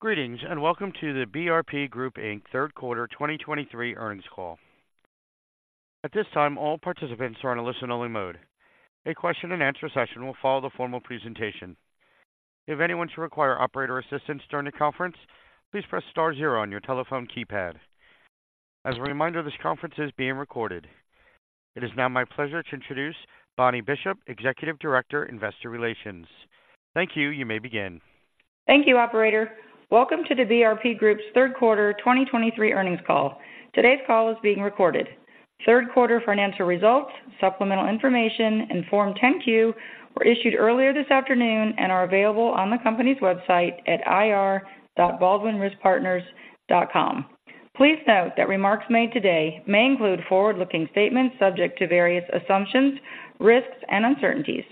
Greetings, and welcome to the BRP Group, Inc. Third Quarter 2023 Earnings Call. At this time, all participants are in a listen-only mode. A question-and-answer session will follow the formal presentation. If anyone should require operator assistance during the conference, please press star zero on your telephone keypad. As a reminder, this conference is being recorded. It is now my pleasure to introduce Bonnie Bishop, Executive Director, Investor Relations. Thank you. You may begin. Thank you, operator. Welcome to the BRP Group's third quarter 2023 earnings call. Today's call is being recorded. Third quarter financial results, supplemental information, and Form 10-Q were issued earlier this afternoon and are available on the company's website at ir.baldwinriskpartners.com. Please note that remarks made today may include forward-looking statements subject to various assumptions, risks and uncertainties.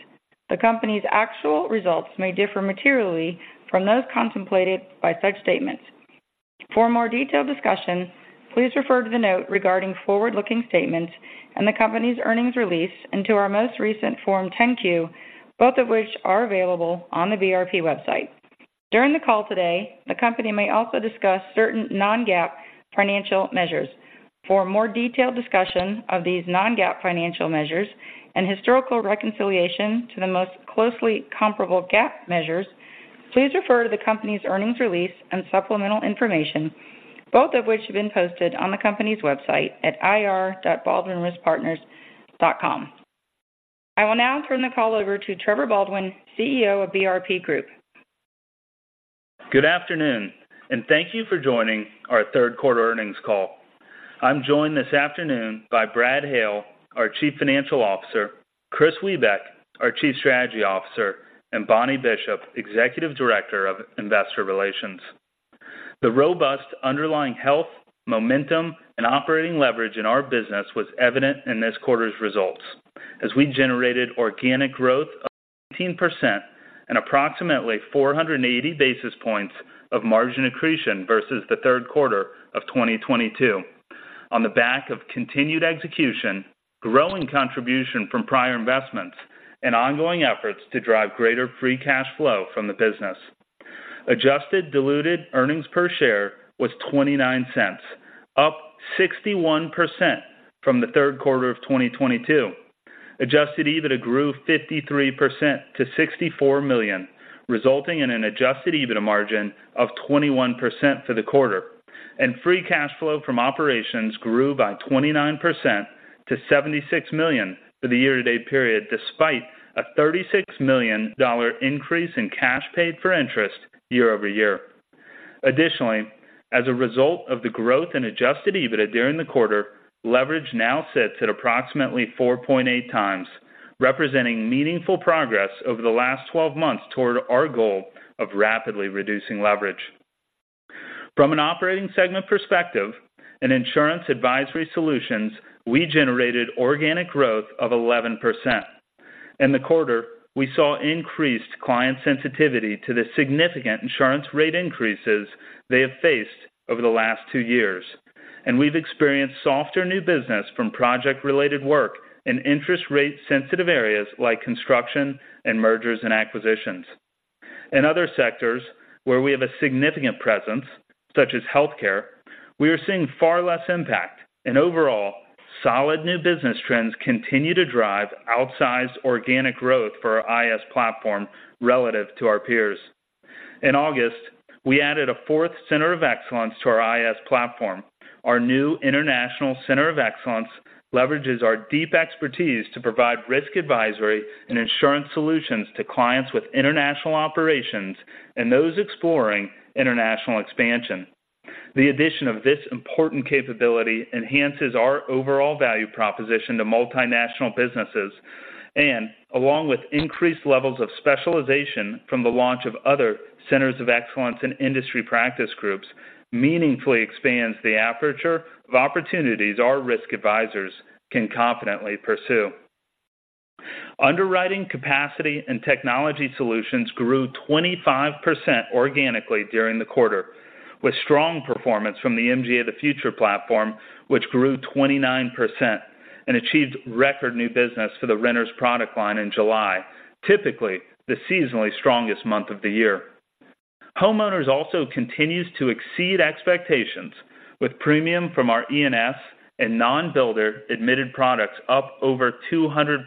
The Company's actual results may differ materially from those contemplated by such statements. For a more detailed discussion, please refer to the note regarding forward-looking statements and the Company's earnings release, and to our most recent Form 10-Q, both of which are available on the BRP website. During the call today, the Company may also discuss certain non-GAAP financial measures. For a more detailed discussion of these non-GAAP financial measures and historical reconciliation to the most closely comparable GAAP measures, please refer to the Company's earnings release and supplemental information, both of which have been posted on the company's website at ir.baldwinriskpartners.com. I will now turn the call over to Trevor Baldwin, CEO of BRP Group. Good afternoon, and thank you for joining our third quarter earnings call. I'm joined this afternoon by Brad Hale, our Chief Financial Officer, Kris Wiebeck, our Chief Strategy Officer, and Bonnie Bishop, Executive Director of Investor Relations. The robust underlying health, momentum, and operating leverage in our business was evident in this quarter's results, as we generated organic growth of 18% and approximately 480 basis points of margin accretion versus the third quarter of 2022. On the back of continued execution, growing contribution from prior investments, and ongoing efforts to drive greater free cash flow from the business. Adjusted diluted earnings per share was $0.29, up 61% from the third quarter of 2022. Adjusted EBITDA grew 53% to $64 million, resulting in an adjusted EBITDA margin of 21% for the quarter, and free cash flow from operations grew by 29% to $76 million for the year-to-date period, despite a $36 million increase in cash paid for interest year over year. Additionally, as a result of the growth in adjusted EBITDA during the quarter, leverage now sits at approximately 4.8x, representing meaningful progress over the last 12 months toward our goal of rapidly reducing leverage. From an operating segment perspective and Insurance Advisory Solutions, we generated organic growth of 11%. In the quarter, we saw increased client sensitivity to the significant insurance rate increases they have faced over the last 2 years, and we've experienced softer new business from project-related work in interest rate-sensitive areas like construction and mergers and acquisitions. In other sectors where we have a significant presence, such as healthcare, we are seeing far less impact and overall, solid new business trends continue to drive outsized organic growth for our IAS platform relative to our peers. In August, we added a fourth Center of Excellence to our IAS platform. Our new International Center of Excellence leverages our deep expertise to provide risk advisory and insurance solutions to clients with international operations and those exploring international expansion. The addition of this important capability enhances our overall value proposition to multinational businesses and along with increased levels of specialization from the launch of other Centers of Excellence in industry practice groups, meaningfully expands the aperture of opportunities our risk advisors can confidently pursue. Underwriting, Capacity, and Technology Solutions grew 25% organically during the quarter, with strong performance from the MGA of the Future platform, which grew 29% and achieved record new business for the renters product line in July, typically the seasonally strongest month of the year. Homeowners also continues to exceed expectations, with premium from our E&S and non-builder admitted products up over 200%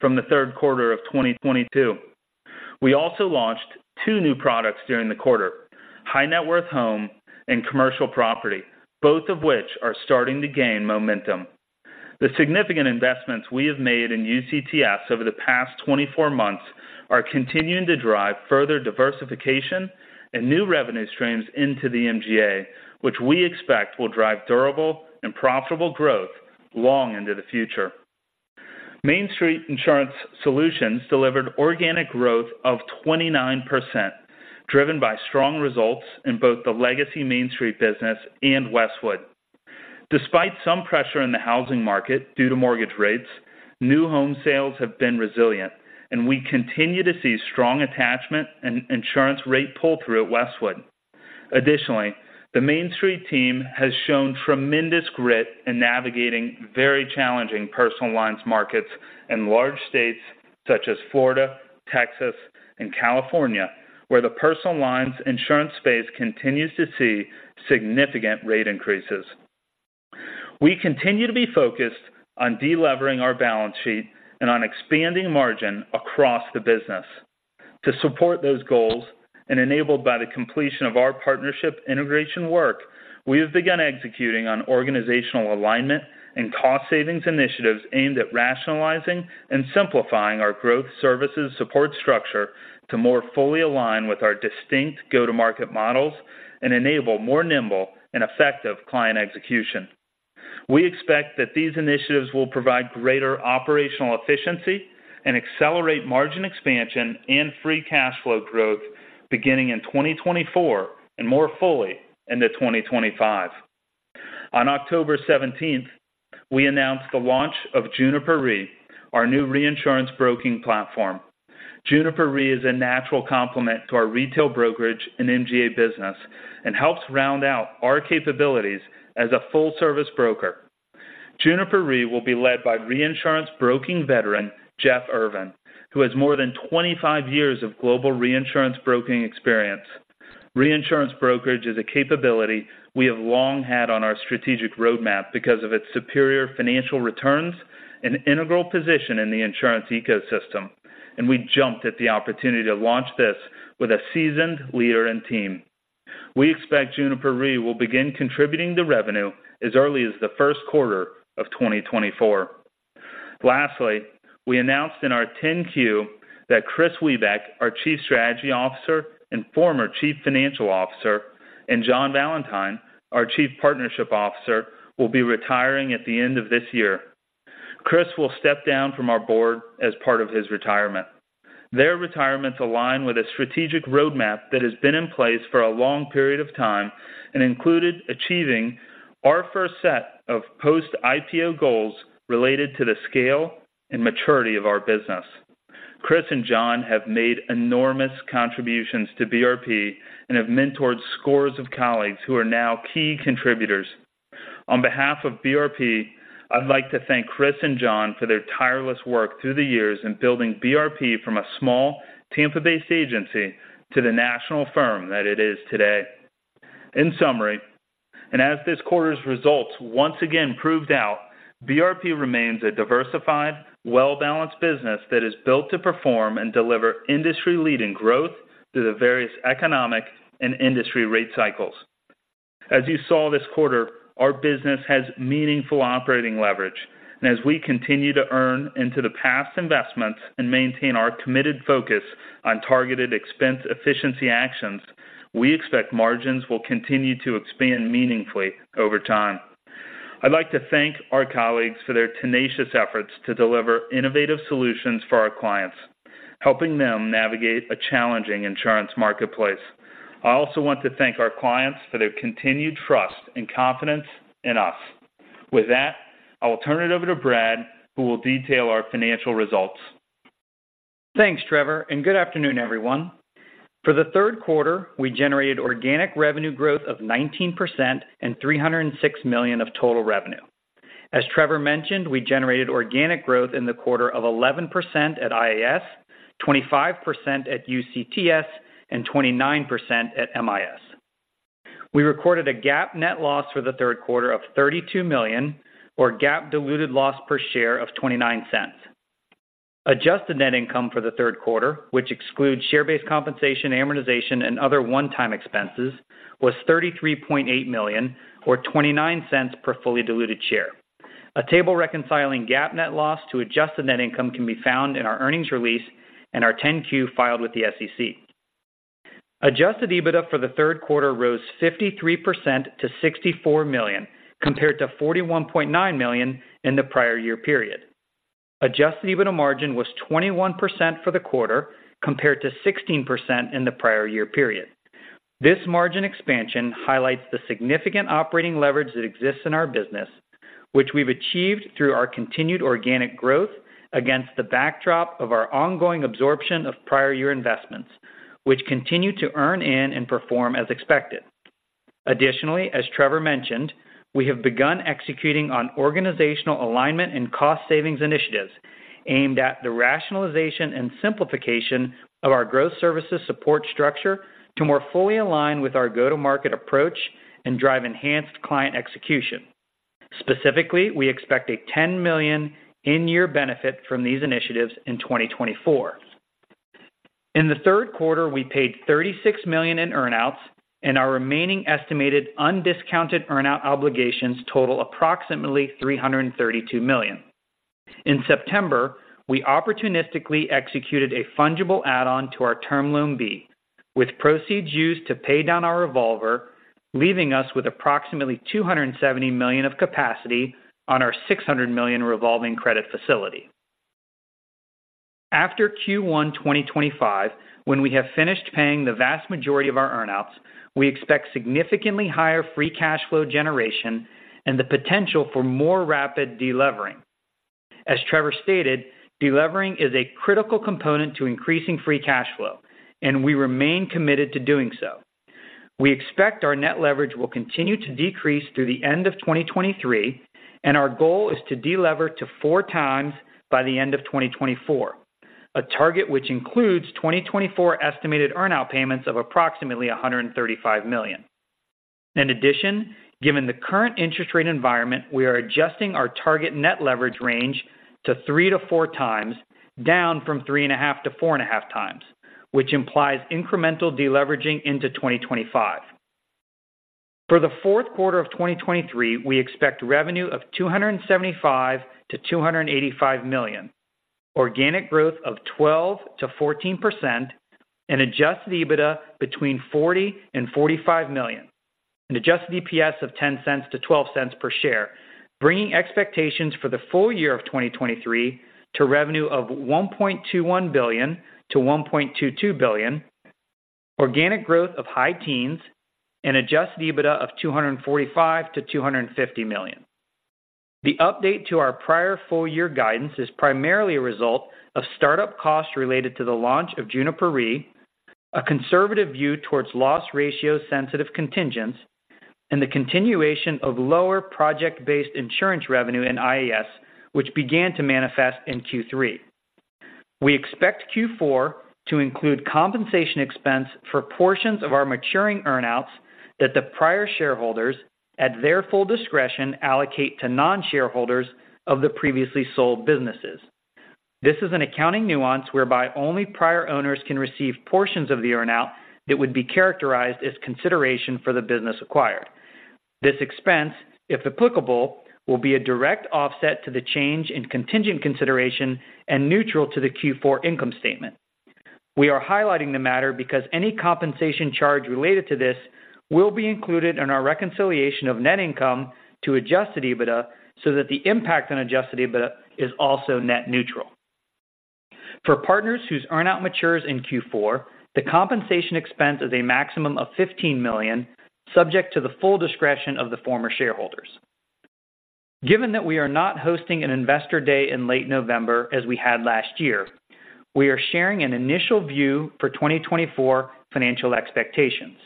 from the third quarter of 2022. We also launched 2 new products during the quarter: High Net Worth Home and Commercial Property, both of which are starting to gain momentum. The significant investments we have made in UCTS over the past 24 months are continuing to drive further diversification and new revenue streams into the MGA, which we expect will drive durable and profitable growth long into the future. MainStreet Insurance Solutions delivered organic growth of 29%, driven by strong results in both the legacy MainStreet business and Westwood. Despite some pressure in the housing market due to mortgage rates, new home sales have been resilient, and we continue to see strong attachment and insurance rate pull-through at Westwood. Additionally, the MainStreet team has shown tremendous grit in navigating very challenging personal lines markets in large states such as Florida, Texas, and California, where the personal lines insurance space continues to see significant rate increases. We continue to be focused on delevering our balance sheet and on expanding margin across the business. To support those goals, and enabled by the completion of our partnership integration work, we have begun executing on organizational alignment and cost savings initiatives aimed at rationalizing and simplifying our growth services support structure to more fully align with our distinct go-to-market models and enable more nimble and effective client execution. We expect that these initiatives will provide greater operational efficiency and accelerate margin expansion and free cash flow growth beginning in 2024, and more fully into 2025. On October 17th, we announced the launch of Juniper Re, our new reinsurance broking platform. Juniper Re is a natural complement to our retail brokerage and MGA business and helps round out our capabilities as a full-service broker. Juniper Re will be led by reinsurance broking veteran, Jeff Irvan, who has more than 25 years of global reinsurance broking experience. Reinsurance brokerage is a capability we have long had on our strategic roadmap because of its superior financial returns and integral position in the insurance ecosystem, and we jumped at the opportunity to launch this with a seasoned leader and team. We expect Juniper Re will begin contributing to revenue as early as the first quarter of 2024. Lastly, we announced in our 10-Q that Kris Wiebeck, our Chief Strategy Officer and former Chief Financial Officer, and John Valentine, our Chief Partnership Officer, will be retiring at the end of this year. Kris will step down from our board as part of his retirement. Their retirements align with a strategic roadmap that has been in place for a long period of time and included achieving our first set of post-IPO goals related to the scale and maturity of our business. Kris and John have made enormous contributions to BRP and have mentored scores of colleagues who are now key contributors. On behalf of BRP, I'd like to thank Kris and John for their tireless work through the years in building BRP from a small Tampa-based agency to the national firm that it is today. In summary, and as this quarter's results once again proved out, BRP remains a diversified, well-balanced business that is built to perform and deliver industry-leading growth through the various economic and industry rate cycles. As you saw this quarter, our business has meaningful operating leverage, and as we continue to earn into the past investments and maintain our committed focus on targeted expense efficiency actions, we expect margins will continue to expand meaningfully over time. I'd like to thank our colleagues for their tenacious efforts to deliver innovative solutions for our clients, helping them navigate a challenging insurance marketplace. I also want to thank our clients for their continued trust and confidence in us. With that, I will turn it over to Brad, who will detail our financial results. Thanks, Trevor, and good afternoon, everyone. For the third quarter, we generated organic revenue growth of 19% and $306 million of total revenue. As Trevor mentioned, we generated organic growth in the quarter of 11% at IAS, 25% at UCTS, and 29% at MIS. We recorded a GAAP net loss for the third quarter of $32 million, or GAAP diluted loss per share of $0.29. Adjusted net income for the third quarter, which excludes share-based compensation, amortization, and other one-time expenses, was $33.8 million or $0.29 per fully diluted share. A table reconciling GAAP net loss to adjusted net income can be found in our earnings release and our 10-Q filed with the SEC. Adjusted EBITDA for the third quarter rose 53% to $64 million, compared to $41.9 million in the prior year period. Adjusted EBITDA margin was 21% for the quarter, compared to 16% in the prior year period. This margin expansion highlights the significant operating leverage that exists in our business, which we've achieved through our continued organic growth against the backdrop of our ongoing absorption of prior year investments, which continue to earn in and perform as expected. Additionally, as Trevor mentioned, we have begun executing on organizational alignment and cost savings initiatives aimed at the rationalization and simplification of our growth services support structure to more fully align with our go-to-market approach and drive enhanced client execution. Specifically, we expect a $10 million in-year benefit from these initiatives in 2024. In the third quarter, we paid $36 million in earn-outs, and our remaining estimated undiscounted earn-out obligations total approximately $332 million. In September, we opportunistically executed a fungible add-on to our term loan B, with proceeds used to pay down our revolver, leaving us with approximately $270 million of capacity on our $600 million revolving credit facility. After Q1 2025, when we have finished paying the vast majority of our earn-outs, we expect significantly higher free cash flow generation and the potential for more rapid delevering. As Trevor stated, delevering is a critical component to increasing free cash flow, and we remain committed to doing so. We expect our net leverage will continue to decrease through the end of 2023, and our goal is to delever to 4x by the end of 2024, a target which includes 2024 estimated earn-out payments of approximately $135 million. In addition, given the current interest rate environment, we are adjusting our target net leverage range to 3x-4x, down from 3.5x-4.5x, which implies incremental deleveraging into 2025. For the fourth quarter of 2023, we expect revenue of $275 million-$285 million, organic growth of 12%-14%, and adjusted EBITDA between $40 million and $45 million, and adjusted EPS of $0.10-$0.12 per share, bringing expectations for the full year of 2023 to revenue of $1.21 billion-$1.22 billion, organic growth of high teens%, and adjusted EBITDA of $245 million-$250 million. The update to our prior full year guidance is primarily a result of startup costs related to the launch of Juniper Re, a conservative view towards loss ratio-sensitive contingents, and the continuation of lower project-based insurance revenue in IAS, which began to manifest in Q3. We expect Q4 to include compensation expense for portions of our maturing earn-outs that the prior shareholders, at their full discretion, allocate to non-shareholders of the previously sold businesses. This is an accounting nuance whereby only prior owners can receive portions of the earn-out that would be characterized as consideration for the business acquired. This expense, if applicable, will be a direct offset to the change in contingent consideration and neutral to the Q4 income statement. We are highlighting the matter because any compensation charge related to this will be included in our reconciliation of net income to adjusted EBITDA, so that the impact on adjusted EBITDA is also net neutral. For partners whose earn-out matures in Q4, the compensation expense is a maximum of $15 million, subject to the full discretion of the former shareholders. Given that we are not hosting an investor day in late November, as we had last year, we are sharing an initial view for 2024 financial expectations.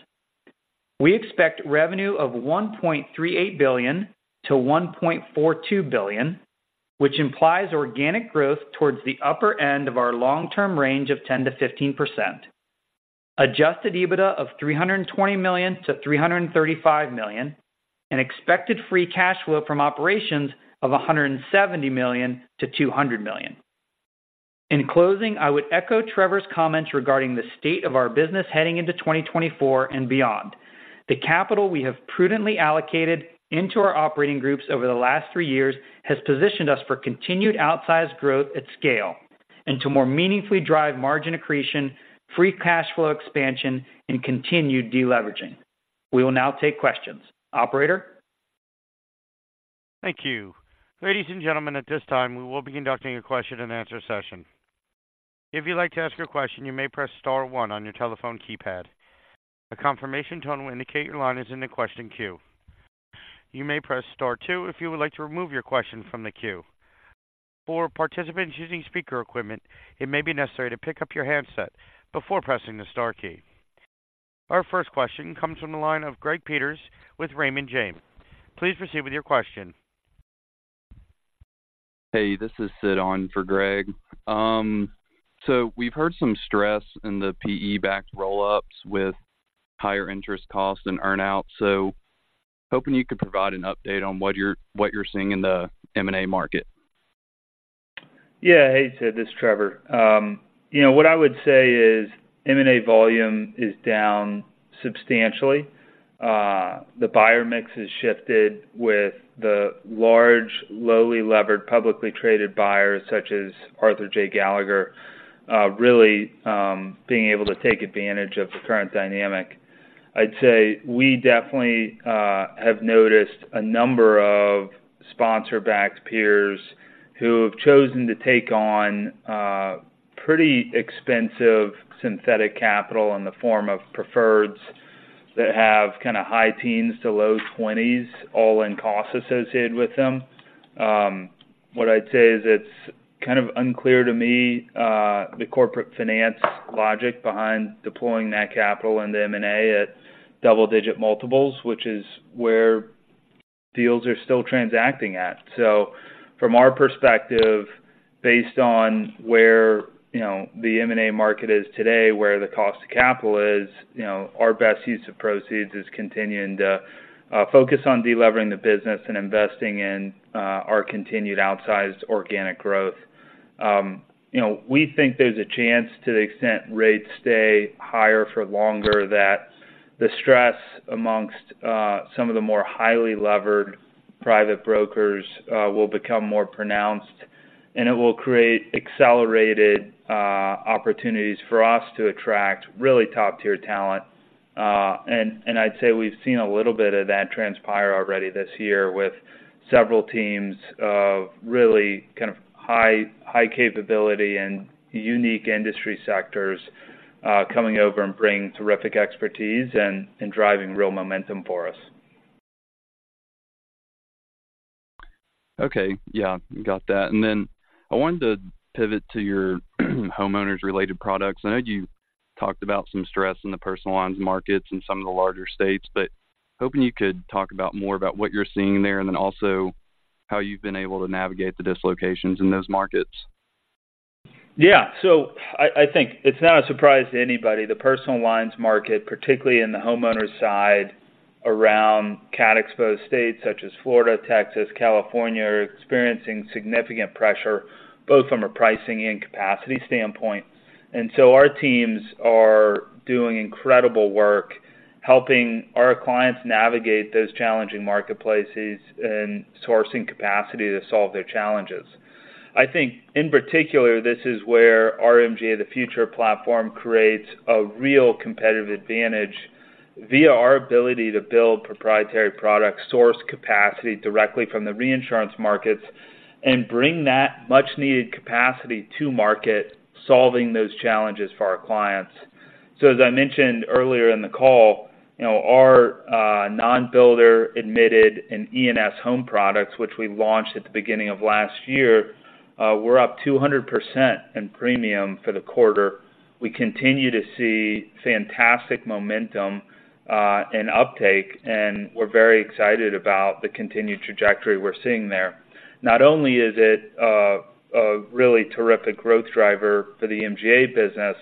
We expect revenue of $1.38 billion-$1.42 billion, which implies organic growth towards the upper end of our long-term range of 10%-15%. Adjusted EBITDA of $320 million-$335 million, and expected Free Cash Flow from operations of $170 million-$200 million. In closing, I would echo Trevor's comments regarding the state of our business heading into 2024 and beyond. The capital we have prudently allocated into our operating groups over the last three years has positioned us for continued outsized growth at scale, and to more meaningfully drive margin accretion, Free Cash Flow expansion, and continued deleveraging. We will now take questions. Operator? Thank you. Ladies and gentlemen, at this time, we will be conducting a question-and-answer session. If you'd like to ask a question, you may press star one on your telephone keypad. A confirmation tone will indicate your line is in the question queue. You may press Star two if you would like to remove your question from the queue. For participants using speaker equipment, it may be necessary to pick up your handset before pressing the star key. Our first question comes from the line of Greg Peters with Raymond James. Please proceed with your question. Hey, this is Sid on for Greg. So we've heard some stress in the PE-backed roll-ups with higher interest costs and earn-out, so hoping you could provide an update on what you're seeing in the M&A market. Yeah. Hey, Sid, this is Trevor. You know, what I would say is M&A volume is down substantially. The buyer mix has shifted with the large, lowly levered, publicly traded buyers, such as Arthur J. Gallagher, really being able to take advantage of the current dynamic. I'd say we definitely have noticed a number of sponsor-backed peers who have chosen to take on pretty expensive synthetic capital in the form of preferreds that have kind of high teens to low twenties all-in costs associated with them. What I'd say is it's kind of unclear to me, the corporate finance logic behind deploying that capital in the M&A at double-digit multiples, which is where deals are still transacting at. So from our perspective, based on where, you know, the M&A market is today, where the cost of capital is, you know, our best use of proceeds is continuing to focus on delevering the business and investing in our continued outsized organic growth. You know, we think there's a chance, to the extent rates stay higher for longer, that the stress amongst some of the more highly levered private brokers will become more pronounced, and it will create accelerated opportunities for us to attract really top-tier talent. And I'd say we've seen a little bit of that transpire already this year with several teams of really kind of high, high capability and unique industry sectors coming over and bringing terrific expertise and driving real momentum for us.... Okay. Yeah, got that. Then I wanted to pivot to your homeowners related products. I know you talked about some stress in the personal lines markets in some of the larger states, but hoping you could talk about what you're seeing there, and then also how you've been able to navigate the dislocations in those markets? Yeah. So I, I think it's not a surprise to anybody. The personal lines market, particularly in the homeowner side, around cat-exposed states such as Florida, Texas, California, are experiencing significant pressure, both from a pricing and capacity standpoint. And so our teams are doing incredible work helping our clients navigate those challenging marketplaces and sourcing capacity to solve their challenges. I think, in particular, this is where MGA, the Future platform, creates a real competitive advantage via our ability to build proprietary products, source capacity directly from the reinsurance markets, and bring that much-needed capacity to market, solving those challenges for our clients. So as I mentioned earlier in the call, you know, our non-builder admitted and E&S home products, which we launched at the beginning of last year, were up 200% in premium for the quarter. We continue to see fantastic momentum, and uptake, and we're very excited about the continued trajectory we're seeing there. Not only is it a really terrific growth driver for the MGA business,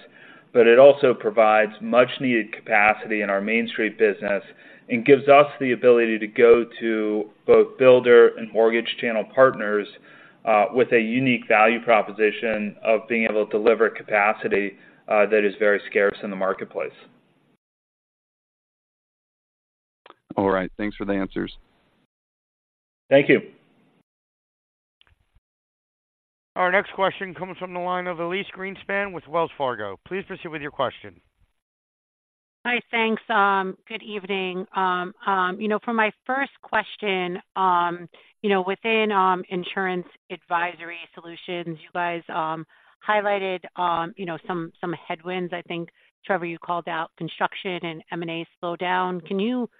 but it also provides much-needed capacity in our Main Street business and gives us the ability to go to both builder and mortgage channel partners, with a unique value proposition of being able to deliver capacity, that is very scarce in the marketplace. All right. Thanks for the answers. Thank you. Our next question comes from the line of Elyse Greenspan with Wells Fargo. Please proceed with your question. Hi. Thanks. Good evening. You know, for my first question, you know, within insurance advisory solutions, you guys highlighted, you know, some, some headwinds. I think, Trevor, you called out construction and M&A slowdown. Can you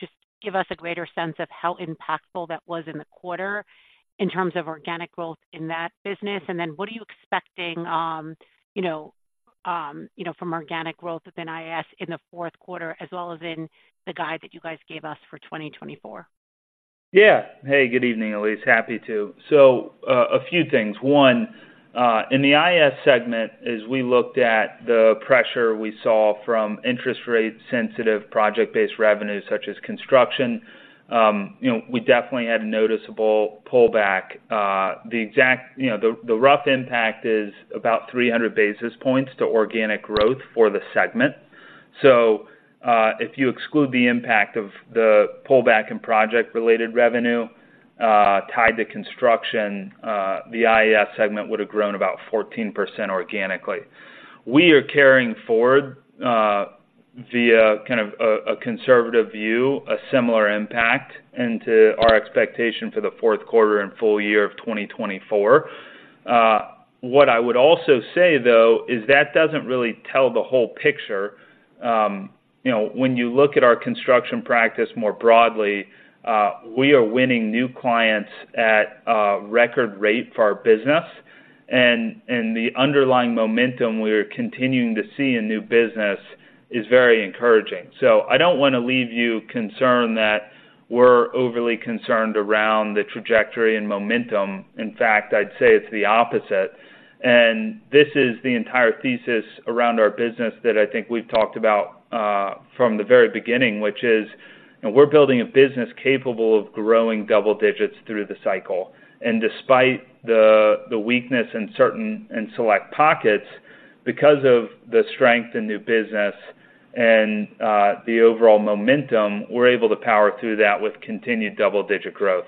just give us a greater sense of how impactful that was in the quarter in terms of organic growth in that business? And then what are you expecting, you know, you know, from organic growth within IAS in the fourth quarter as well as in the guide that you guys gave us for 2024? Yeah. Hey, good evening, Elyse. Happy to. So, a few things. One, in the IAS segment, as we looked at the pressure we saw from interest rate-sensitive project-based revenues such as construction, you know, we definitely had a noticeable pullback. The exact, you know, the rough impact is about 300 basis points to organic growth for the segment. So, if you exclude the impact of the pullback in project-related revenue, tied to construction, the IAS segment would have grown about 14% organically. We are carrying forward, via kind of a conservative view, a similar impact into our expectation for the fourth quarter and full year of 2024. What I would also say, though, is that doesn't really tell the whole picture. You know, when you look at our construction practice more broadly, we are winning new clients at a record rate for our business, and, and the underlying momentum we are continuing to see in new business is very encouraging. So I don't want to leave you concerned that we're overly concerned around the trajectory and momentum. In fact, I'd say it's the opposite. And this is the entire thesis around our business that I think we've talked about from the very beginning, which is, we're building a business capable of growing double digits through the cycle. And despite the weakness in certain, in select pockets, because of the strength in new business and the overall momentum, we're able to power through that with continued double-digit growth.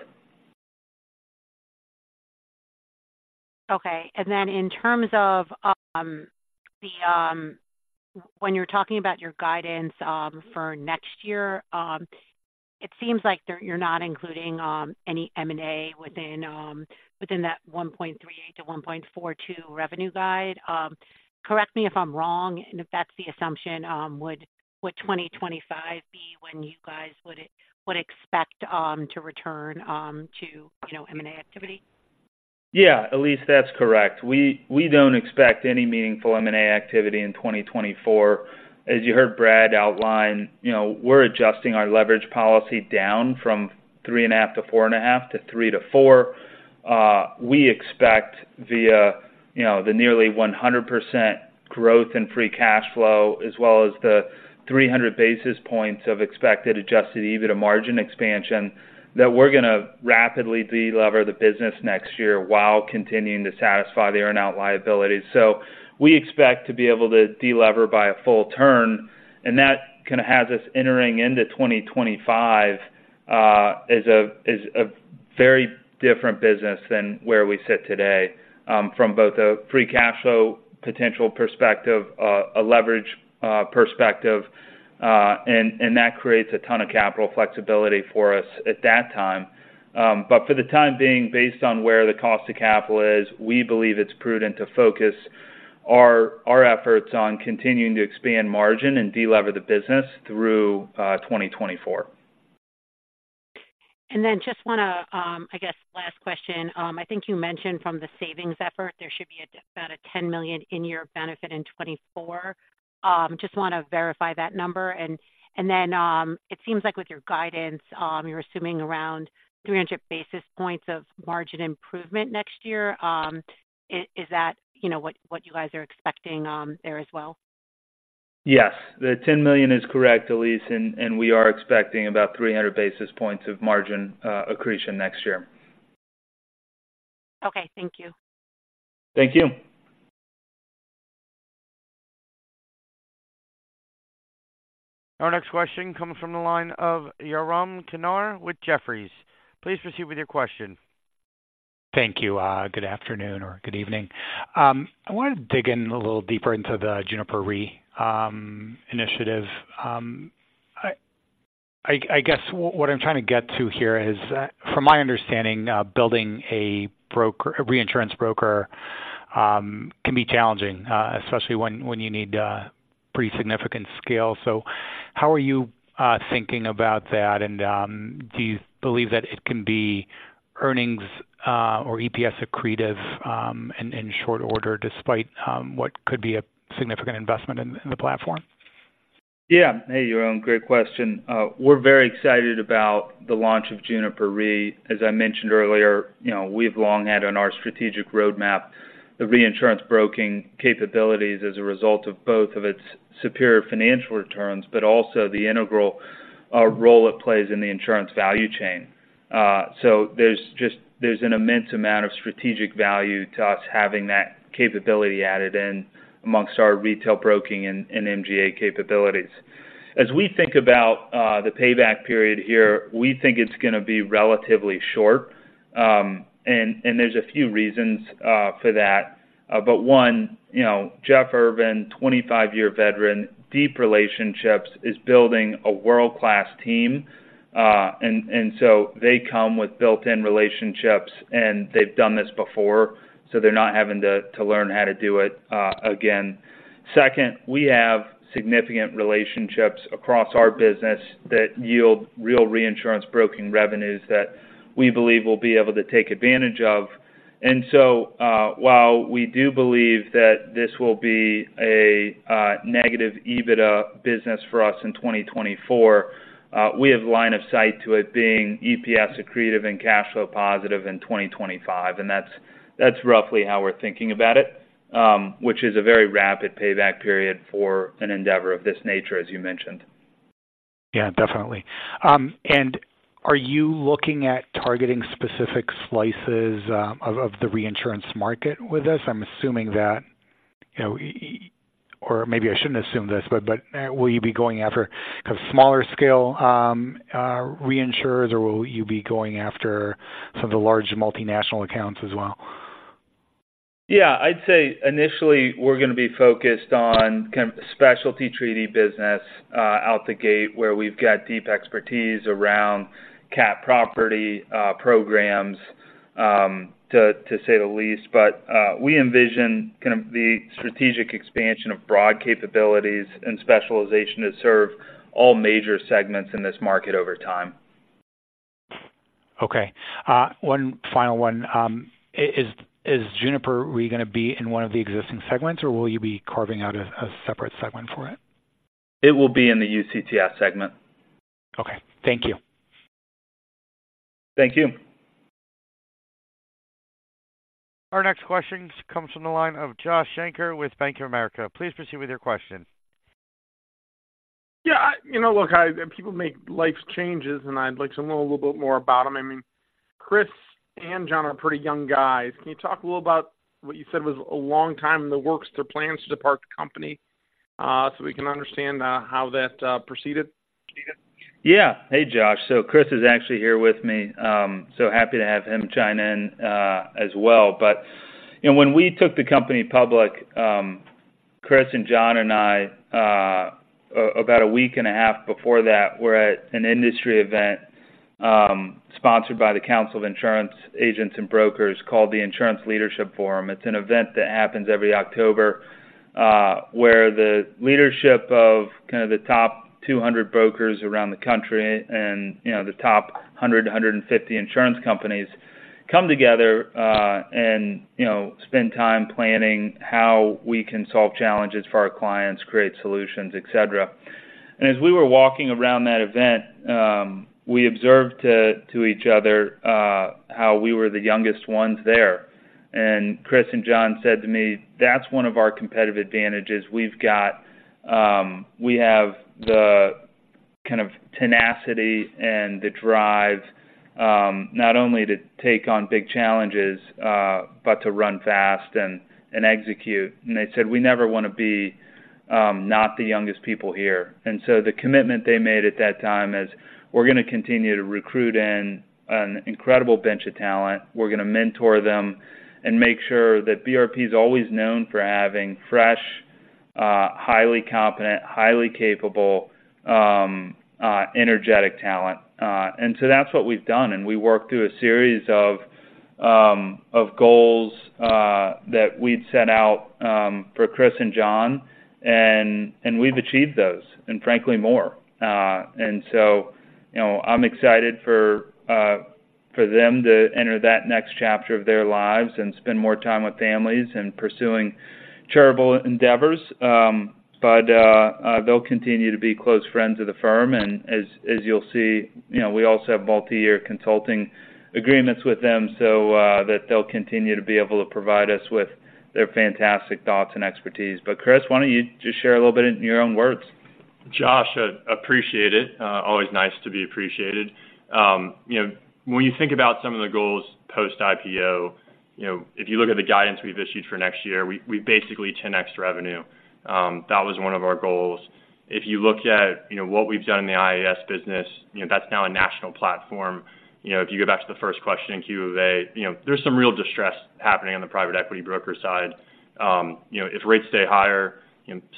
Okay. And then in terms of, when you're talking about your guidance for next year, it seems like you're not including any M&A within that $1.38-$1.42 revenue guide. Correct me if I'm wrong, and if that's the assumption, would 2025 be when you guys would expect to return, you know, to M&A activity? Yeah, Elyse, that's correct. We, we don't expect any meaningful M&A activity in 2024. As you heard Brad outline, you know, we're adjusting our leverage policy down from 3.5-4.5 to 3-4. We expect via, you know, the nearly 100% growth in free cash flow, as well as the 300 basis points of expected adjusted EBITDA margin expansion, that we're going to rapidly delever the business next year while continuing to satisfy the earn-out liabilities. So we expect to be able to delever by a full turn, and that kind of has us entering into 2025 as a very different business than where we sit today from both a free cash flow potential perspective, a leverage perspective, and that creates a ton of capital flexibility for us at that time. But for the time being, based on where the cost of capital is, we believe it's prudent to focus our efforts on continuing to expand margin and delever the business through 2024. And then just want to, I guess, last question. I think you mentioned from the savings effort, there should be about a $10 million in year benefit in 2024. Just want to verify that number. And then it seems like with your guidance, you're assuming around 300 basis points of margin improvement next year. Is that, you know, what you guys are expecting there as well? Yes. The $10 million is correct, Elyse, and we are expecting about 300 basis points of margin accretion next year. Okay. Thank you. Thank you. Our next question comes from the line of Yaron Kinar with Jefferies. Please proceed with your question. Thank you. Good afternoon or good evening. I wanted to dig in a little deeper into the Juniper Re initiative. I guess what I'm trying to get to here is, from my understanding, building a broker—a reinsurance broker, can be challenging, especially when you need pretty significant scale. So how are you thinking about that? And, do you believe that it can be earnings or EPS accretive in short order, despite what could be a significant investment in the platform? Yeah. Hey, Yaron, great question. We're very excited about the launch of Juniper Re. As I mentioned earlier, you know, we've long had on our strategic roadmap the reinsurance broking capabilities as a result of both of its superior financial returns, but also the integral role it plays in the insurance value chain. So there's an immense amount of strategic value to us having that capability added in amongst our retail broking and MGA capabilities. As we think about the payback period here, we think it's going to be relatively short. And there's a few reasons for that. But one, you know, Jeff Irvan, 25-year veteran, deep relationships, is building a world-class team. And so they come with built-in relationships, and they've done this before, so they're not having to learn how to do it again. Second, we have significant relationships across our business that yield real reinsurance broking revenues that we believe will be able to take advantage of. And so, while we do believe that this will be a negative EBITDA business for us in 2024, we have line of sight to it being EPS accretive and cash flow positive in 2025, and that's roughly how we're thinking about it, which is a very rapid payback period for an endeavor of this nature, as you mentioned. Yeah, definitely. And are you looking at targeting specific slices of the reinsurance market with this? I'm assuming that, you know, or maybe I shouldn't assume this, but will you be going after kind of smaller scale reinsurers, or will you be going after some of the large multinational accounts as well? Yeah, I'd say initially, we're going to be focused on kind of specialty treaty business out the gate, where we've got deep expertise around CAT property programs, to say the least. But we envision kind of the strategic expansion of broad capabilities and specialization to serve all major segments in this market over time. Okay. One final one. Is Juniper Re going to be in one of the existing segments, or will you be carving out a separate segment for it? It will be in the UCTS segment. Okay. Thank you. Thank you. Our next question comes from the line of Josh Shanker with Bank of America. Please proceed with your question. Yeah, you know, look, people make life's changes, and I'd like to know a little bit more about them. I mean, Kris and John are pretty young guys. Can you talk a little about what you said was a long time in the works, their plans to depart the company, so we can understand how that proceeded? Yeah. Hey, Josh. So Kris is actually here with me, so happy to have him chime in, as well. But, you know, when we took the company public, Kris and John and I, about a week and a half before that, were at an industry event, sponsored by the Council of Insurance Agents and Brokers called the Insurance Leadership Forum. It's an event that happens every October, where the leadership of kind of the top 200 brokers around the country and, you know, the top 100-150 insurance companies come together, and you know, spend time planning how we can solve challenges for our clients, create solutions, et cetera. And as we were walking around that event, we observed to, to each other, how we were the youngest ones there. And Kris and John said to me, "That's one of our competitive advantages. We've got, we have the kind of tenacity and the drive, not only to take on big challenges, but to run fast and, and execute." And they said, "We never want to be, not the youngest people here." And so the commitment they made at that time is: We're going to continue to recruit in an incredible bench of talent. We're going to mentor them and make sure that BRP is always known for having fresh, highly competent, highly capable, energetic talent. And so that's what we've done, and we worked through a series of goals that we'd set out for Kris and John, and, and we've achieved those, and frankly, more. So, you know, I'm excited for them to enter that next chapter of their lives and spend more time with families and pursuing charitable endeavors. But they'll continue to be close friends of the firm. And as you'll see, you know, we also have multi-year consulting agreements with them, so that they'll continue to be able to provide us with their fantastic thoughts and expertise. Kris, why don't you just share a little bit in your own words? Josh, I appreciate it. Always nice to be appreciated. You know, when you think about some of the goals post-IPO, you know, if you look at the guidance we've issued for next year, we basically 10x revenue. That was one of our goals. If you look at, you know, what we've done in the IAS business, you know, that's now a national platform. You know, if you go back to the first question in Q&A, you know, there's some real distress happening on the private equity broker side. You know, if rates stay higher,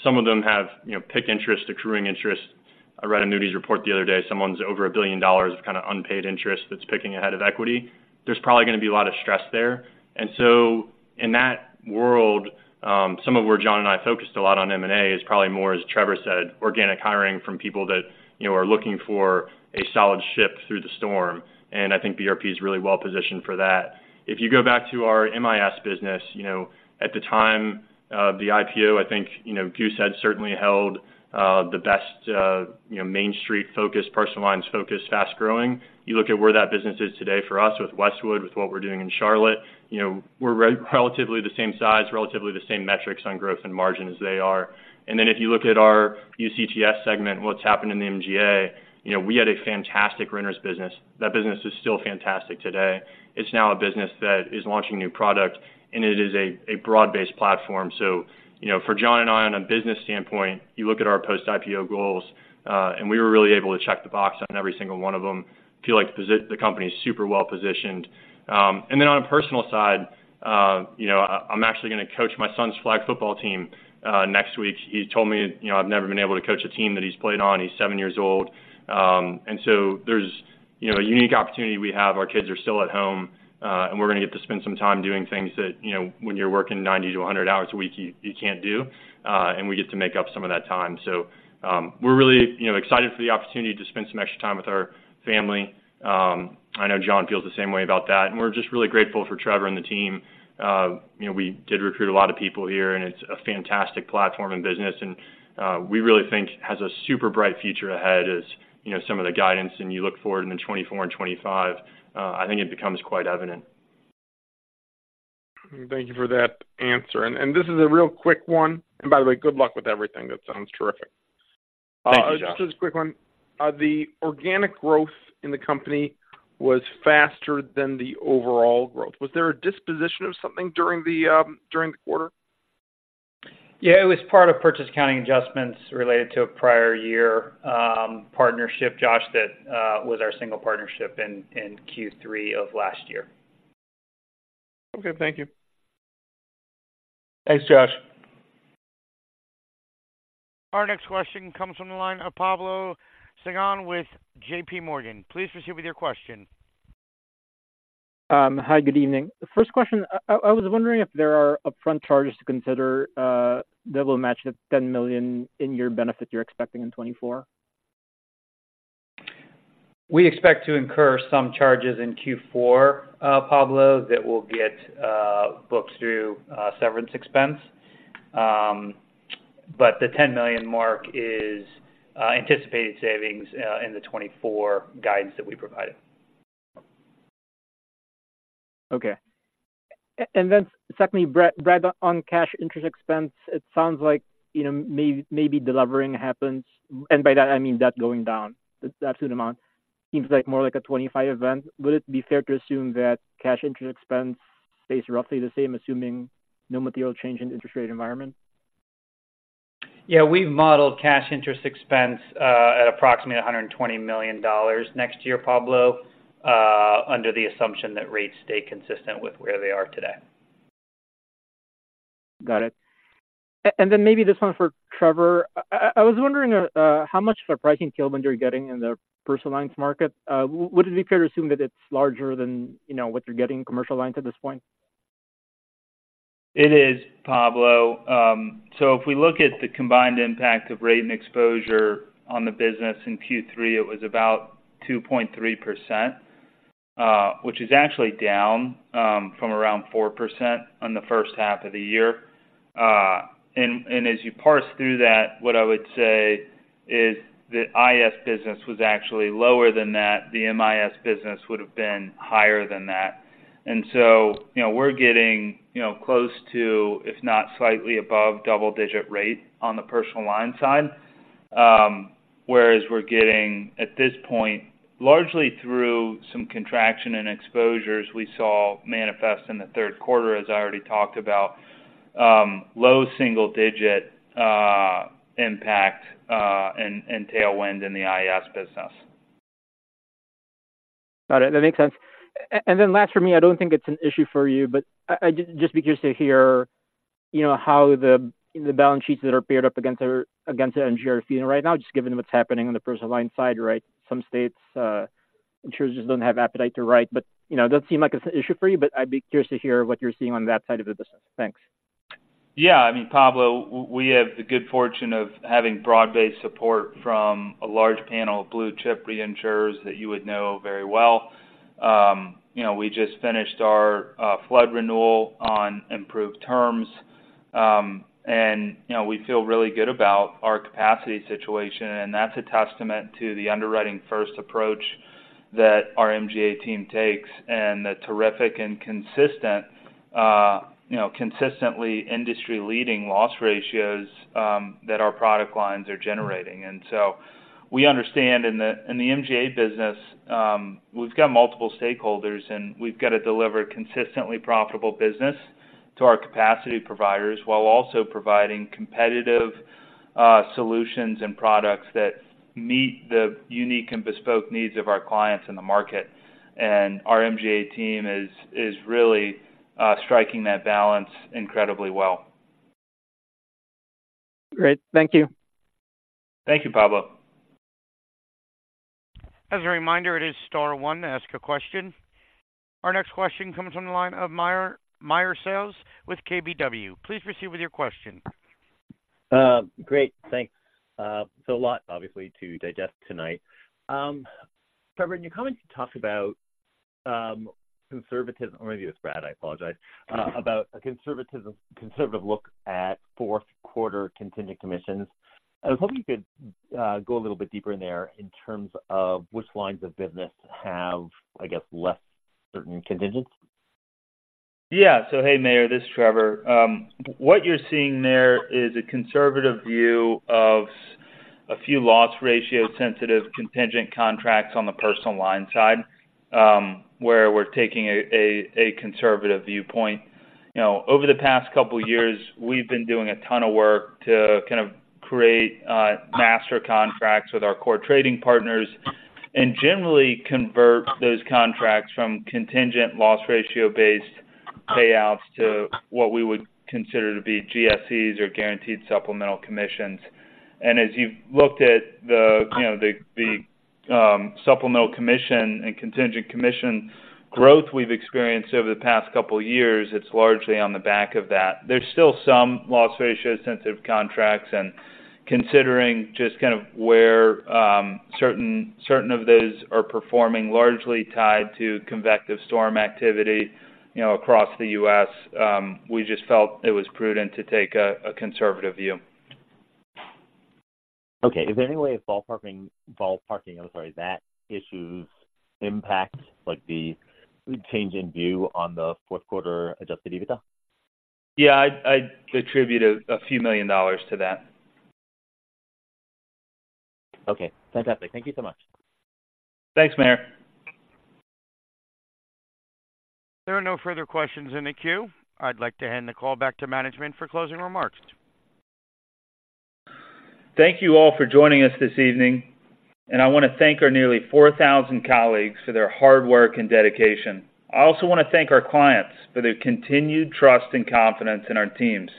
some of them have, you know, PIK interest, accruing interest. I read an analyst report the other day, someone's over $1 billion of kinda unpaid interest that's PIKing ahead of equity. There's probably gonna be a lot of stress there. And so in that world, some of where John and I focused a lot on M&A is probably more, as Trevor said, organic hiring from people that, you know, are looking for a solid ship through the storm, and I think BRP is really well positioned for that. If you go back to our MIS business, you know, at the time of the IPO, I think, you know, Goosehead certainly held the best, you know, Main Street-focused, personal lines-focused, fast-growing. You look at where that business is today for us with Westwood, with what we're doing in Charlotte, you know, we're relatively the same size, relatively the same metrics on growth and margin as they are. And then if you look at our UCTS segment and what's happened in the MGA, you know, we had a fantastic renters business. That business is still fantastic today. It's now a business that is launching new product, and it is a broad-based platform. So, you know, for John and I, on a business standpoint, you look at our post-IPO goals, and we were really able to check the box on every single one of them. Feel like the company is super well positioned. And then on a personal side, you know, I'm actually gonna coach my son's flag football team next week. He told me, you know, I've never been able to coach a team that he's played on. He's seven years old. And so there's, you know, a unique opportunity we have. Our kids are still at home, and we're gonna get to spend some time doing things that, you know, when you're working 90 to 100 hours a week, you can't do, and we get to make up some of that time. So, we're really, you know, excited for the opportunity to spend some extra time with our family. I know John feels the same way about that, and we're just really grateful for Trevor and the team. You know, we did recruit a lot of people here, and it's a fantastic platform and business, and, we really think has a super bright future ahead, as, you know, some of the guidance, and you look forward into 2024 and 2025, I think it becomes quite evident. Thank you for that answer. And this is a real quick one. And by the way, good luck with everything. That sounds terrific. Thank you, Josh. Just a quick one. The organic growth in the company was faster than the overall growth. Was there a disposition of something during the quarter? Yeah, it was part of purchase accounting adjustments related to a prior year partnership, Josh, that was our single partnership in Q3 of last year. Okay, thank you. Thanks, Josh. Our next question comes from the line of Pablo Singzon with JPMorgan. Please proceed with your question. Hi, good evening. First question, I was wondering if there are upfront charges to consider that will match the $10 million in your benefit you're expecting in 2024? We expect to incur some charges in Q4, Pablo, that will get booked through severance expense. But the $10 million mark is anticipated savings in the 2024 guidance that we provided. Okay. And then secondly, Brad's, on-cash interest expense, it sounds like, you know, maybe delivering happens, and by that, I mean that going down, the absolute amount. Seems like more like a 25 event. Would it be fair to assume that cash interest expense stays roughly the same, assuming no material change in interest rate environment? Yeah, we've modeled cash interest expense at approximately $120 million next year, Pablo, under the assumption that rates stay consistent with where they are today. Got it. And then maybe this one for Trevor. I was wondering how much of a pricing tailwind you're getting in the personal lines market. Would it be fair to assume that it's larger than, you know, what you're getting in commercial lines at this point? It is, Pablo. So if we look at the combined impact of rate and exposure on the business in Q3, it was about 2.3%, which is actually down from around 4% on the first half of the year. And as you parse through that, what I would say is the IAS business was actually lower than that. The MIS business would have been higher than that. And so, you know, we're getting, you know, close to, if not slightly above, double-digit rate on the personal line side. Whereas we're getting, at this point, largely through some contraction in exposures we saw manifest in the third quarter, as I already talked about, low single-digit impact and tailwind in the IAS business.... Got it. That makes sense. And then last for me, I don't think it's an issue for you, but I just be curious to hear, you know, how the balance sheets that are paired up against our MGA are feeling right now, just given what's happening on the personal line side, right? Some states, insurers just don't have appetite to write. But, you know, it doesn't seem like it's an issue for you, but I'd be curious to hear what you're seeing on that side of the business. Thanks. Yeah. I mean, Pablo, we have the good fortune of having broad-based support from a large panel of blue-chip reinsurers that you would know very well. You know, we just finished our flood renewal on improved terms. And, you know, we feel really good about our capacity situation, and that's a testament to the underwriting-first approach that our MGA team takes, and the terrific and consistent, you know, consistently industry-leading loss ratios that our product lines are generating. And so we understand in the MGA business, we've got multiple stakeholders, and we've got to deliver consistently profitable business to our capacity providers, while also providing competitive solutions and products that meet the unique and bespoke needs of our clients in the market. And our MGA team is really striking that balance incredibly well. Great. Thank you. Thank you, Pablo. As a reminder, it is star one to ask a question. Our next question comes from the line of Meyer Shields with KBW. Please proceed with your question. Great. Thanks. So a lot, obviously, to digest tonight. Trevor, in your comments, you talked about conservative - or maybe it was Brad, I apologize, about a conservatism, conservative look at fourth quarter contingent commissions. I was hoping you could go a little bit deeper in there in terms of which lines of business have, I guess, less certain contingents. Yeah. So, hey, Meyer, this is Trevor. What you're seeing there is a conservative view of a few loss ratio sensitive contingent contracts on the personal line side, where we're taking a conservative viewpoint. You know, over the past couple of years, we've been doing a ton of work to kind of create master contracts with our core trading partners, and generally convert those contracts from contingent loss ratio-based payouts to what we would consider to be GSCs, or guaranteed supplemental commissions. And as you've looked at the, you know, the supplemental commission and contingent commission growth we've experienced over the past couple of years, it's largely on the back of that. There's still some loss ratio sensitive contracts, and considering just kind of where certain of those are performing, largely tied to convective storm activity, you know, across the U.S., we just felt it was prudent to take a conservative view. Okay. Is there any way of ballparking, I'm sorry, that issue's impact, like the change in view on the fourth quarter Adjusted EBITDA? Yeah, I'd attribute $a few million to that. Okay, fantastic. Thank you so much. Thanks, Meyer. There are no further questions in the queue. I'd like to hand the call back to management for closing remarks. Thank you all for joining us this evening, and I want to thank our nearly 4,000 colleagues for their hard work and dedication. I also want to thank our clients for their continued trust and confidence in our teams.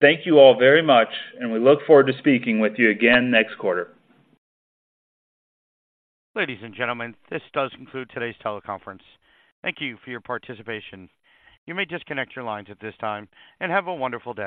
Thank you all very much, and we look forward to speaking with you again next quarter. Ladies and gentlemen, this does conclude today's teleconference. Thank you for your participation. You may disconnect your lines at this time, and have a wonderful day.